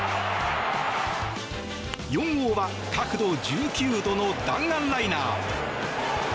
４号は角度１９度の弾丸ライナー。